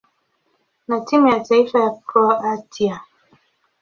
na timu ya taifa ya Kroatia.